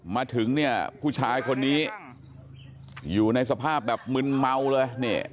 มาถึงเนี่ยผู้ชายคนนี้อยู่ในสภาพแบบมึนเมาเลยเนี่ย